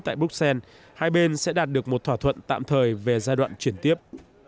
tại bruxelles hai bên sẽ đạt được một thỏa thuận tạm thời về giai đoạn chuyển tiếp